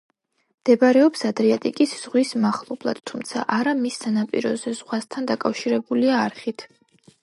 მდებარეობს ადრიატიკის ზღვის მახლობლად, თუმცა არა მის სანაპიროზე, ზღვასთან დაკავშირებულია არხით.